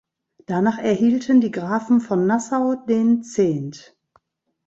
Danach erhielten die Grafen von Nassau den Zehnt.